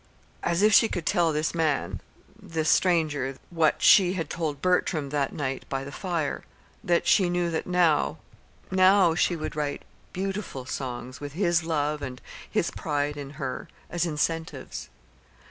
As if she could tell this man, this stranger, what she had told Bertram that night by the fire that she knew that now, now she would write beautiful songs, with his love, and his pride in her, as incentives.